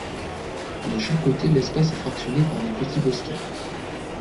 De chaque côté, l'espace est fractionné par des petits bosquets.